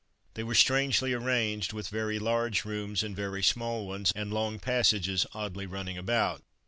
They were strangely arranged, with very large rooms and very small ones, and long passages oddly running about.